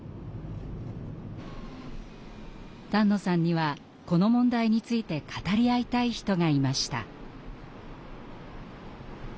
丹野さんにはこの問題について語り合いたい人がいました。